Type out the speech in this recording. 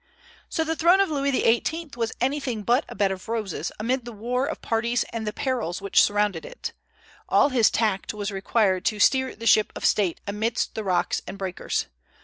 So the throne of Louis XVIII. was anything but a bed of roses, amid the war of parties and the perils which surrounded it. All his tact was required to steer the ship of state amidst the rocks and breakers.